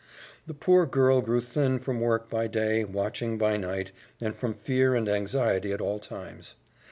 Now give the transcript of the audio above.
The poor girl grew thin from work by day, watching by night, and from fear and anxiety at all times.